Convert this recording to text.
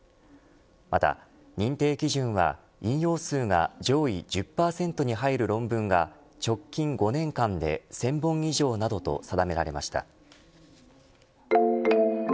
また、認定基準は引用数が上位１０％に入る論文が直近５年間で１０００本以上などと定められました。